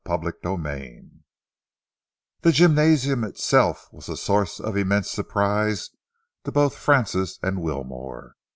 CHAPTER XVII The gymnasium itself was a source of immense surprise to both Francis and Wilmore.